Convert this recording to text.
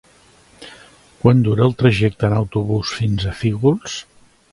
Quant dura el trajecte en autobús fins a Fígols?